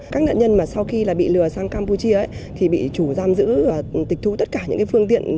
các nạn nhân mà sau khi bị lừa sang campuchia thì bị chủ giam giữ tịch thu tất cả những cái phương tiện